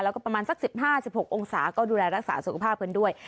แล้วก็ประมาณสักสิบห้าสิบหกองศาก็ดูแลรักษาสุขภาพเพิ่มด้วย